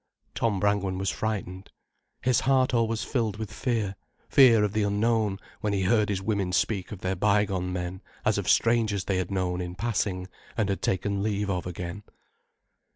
Tom Brangwen was frightened. His heart always filled with fear, fear of the unknown, when he heard his women speak of their bygone men as of strangers they had known in passing and had taken leave of again.